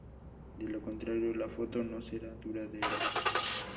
De lo contrario la foto no será duradera.